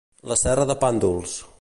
La serra de Pàndols.